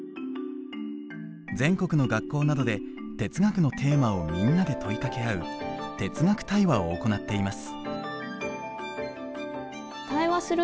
全国の学校などで哲学のテーマをみんなで問いかけ合う哲学対話を行っています。